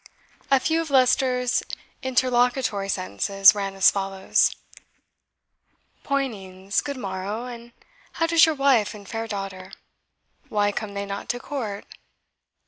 A few of Leicester's interlocutory sentences ran as follows: "Poynings, good morrow; and how does your wife and fair daughter? Why come they not to court?